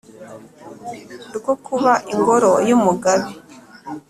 rwo kuba ingoro y'umugabe,